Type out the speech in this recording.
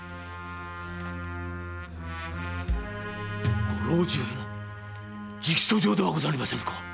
〔ご老中も直訴状ではございませぬか！〕